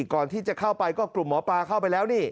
ก่อนที่จะเข้าไปก็กลุ่มหมอปลาเข้าไปแล้วนี่